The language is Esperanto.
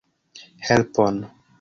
Helpon!